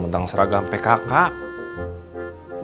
melewati keragam kejang